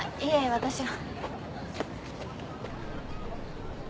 私は。